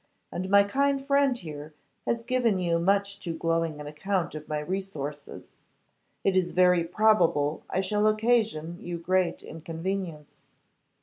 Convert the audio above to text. And my kind friend here has given you much too glowing an account of my resources. It is very probable I shall occasion you great inconvenience.